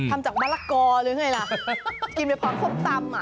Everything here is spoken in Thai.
ทำจากมะละกรรึง่ายละกินไปพร้อมครมตำอะ